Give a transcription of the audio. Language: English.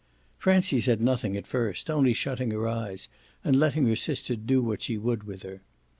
Francie said nothing at first, only shutting her eyes and letting her sister do what she would with her.